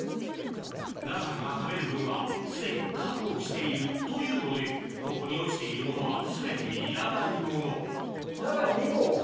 羅さんが食べる分はすでに確保しているというのでここに落ちているものは全ていらないもの２個？